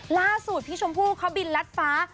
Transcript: ล่าสุดพี่ชมพู่เขาบินรัดฟ้า